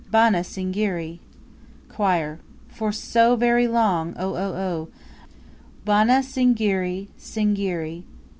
Bana Singiri! Choir. For so very long, oh oh oh! Bana Singiri Singiri!